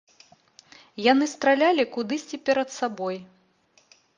Яны стралялі кудысьці перад сабой.